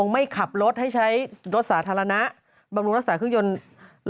ไม่ขับรถให้ใช้รถสาธารณะบำรวมรสาธารณ์ครึ่งยนต์รัฐ